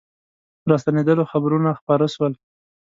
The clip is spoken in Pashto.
راستنېدلو خبرونه خپاره سول.